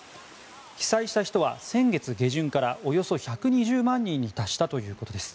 被災した人は先月下旬からおよそ１２０万人に達したということです。